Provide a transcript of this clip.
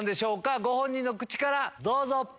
ご本人の口からどうぞ。